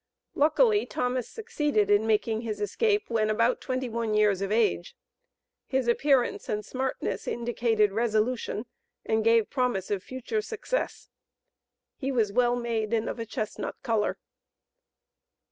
Luckily Thomas succeeded in making his escape when about twenty one years of age. His appearance and smartness indicated resolution and gave promise of future success. He was well made and of a chestnut color.